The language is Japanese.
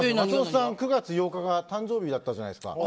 ９月８日が誕生日だったじゃないですか。